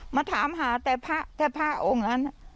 มาถามหาแต่พระแต่พระองค์นั้น